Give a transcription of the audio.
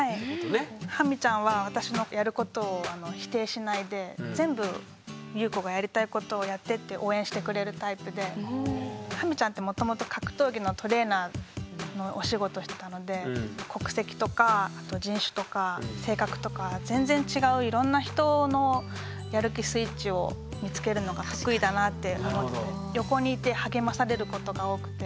ハミちゃんは全部裕子がやりたいことをやってって応援してくれるタイプでハミちゃんってもともと格闘技のトレーナーのお仕事してたので国籍とかあと人種とか性格とか全然違ういろんな人のやる気スイッチを見つけるのが得意だなって思ってて横にいて励まされることが多くて。